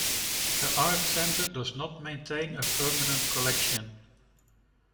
The Art Center does not maintain a permanent collection.